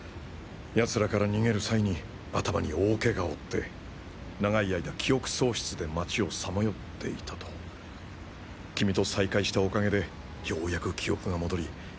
奴らから逃げる際に頭に大怪我を負って長い間記憶喪失で街をさまよっていたと君と再会したお陰でようやく記憶が戻り